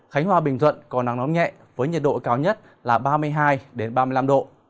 khánh hòa bình thuận có nắng nóng nhẹ với nhiệt độ cao nhất là ba mươi hai ba mươi năm độ